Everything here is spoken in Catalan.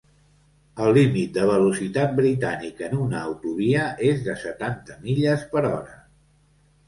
El límit de velocitat britànic en una autovia és de setanta milles per hora.